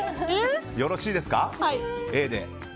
よろしいですか、Ａで。